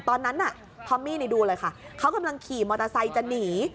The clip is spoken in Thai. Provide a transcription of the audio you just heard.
ตอนนั้นน่ะทอมมี่ดูเลยค่ะเขากำลังขี่มอเตอร์ไซค์จะหนี